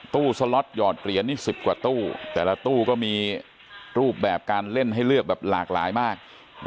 สล็อตหอดเหรียญนี่๑๐กว่าตู้แต่ละตู้ก็มีรูปแบบการเล่นให้เลือกแบบหลากหลายมาก